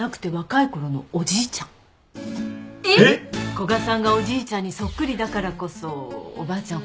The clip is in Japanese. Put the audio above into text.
古賀さんがおじいちゃんにそっくりだからこそおばあちゃん